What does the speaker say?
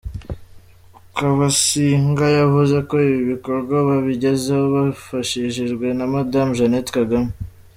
Kabasinga yavuze ko ibi bikorwa babigezeho bafashijwemo na Madame Jeannette Kagame.